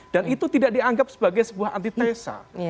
itu tidak dianggap sebagai sebuah antitesa